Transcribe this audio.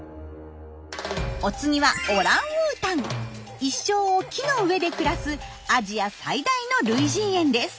お次は一生を木の上で暮らすアジア最大の類人猿です。